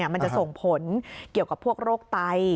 มันจะส่งผลเกี่ยวกับพวกโรคไต